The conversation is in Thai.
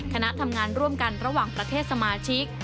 คณะทำงานร่วมกันระหว่างประเทศสมาชิก